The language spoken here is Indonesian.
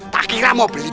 tak kira mau beli